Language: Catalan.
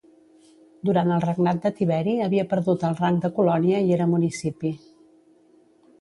Durant el regnat de Tiberi havia perdut el rang de colònia i era municipi.